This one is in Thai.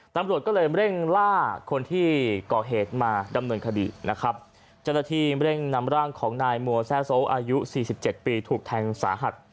ตำรวจก็เลยเร่งล่าคนที่ก่อเหตุมาดำเนินคดีนะครับเจ้าหน้าที่เร่งนำร่างของนายมัวแซ่โซอายุสี่สิบเจ็ดปีถูกแทงสาหัส